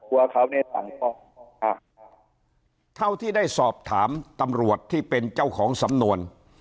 ว่าเขาได้สั่งฟ้องอ่าเท่าที่ได้สอบถามตำรวจที่เป็นเจ้าของสำนวน